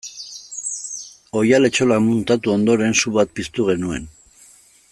Oihal-etxolak muntatu ondoren su bat piztu genuen.